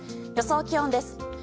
予想気温です。